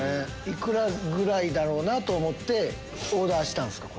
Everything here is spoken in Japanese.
幾らぐらいだろうと思ってオーダーしたんすか？